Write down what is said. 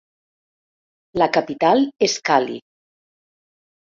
La capital és Cali.